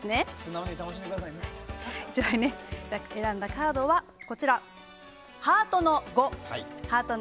選んだカードはハートの５。